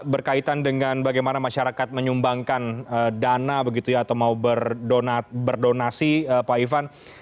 berkaitan dengan bagaimana masyarakat menyumbangkan dana begitu ya atau mau berdonasi pak ivan